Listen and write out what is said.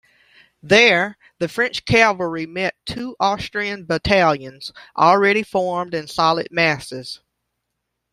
There, the French cavalry met two Austrian battalions, already formed in solid masses.